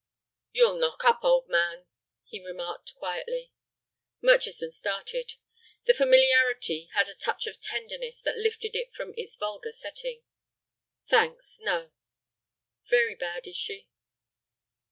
"You'll knock up, old man," he remarked, quietly. Murchison started. The familiarity had a touch of tenderness that lifted it from its vulgar setting. "Thanks, no." "Very bad, is she?"